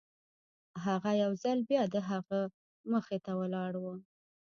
هغه يو ځل بيا د هغه مخې ته ولاړ و.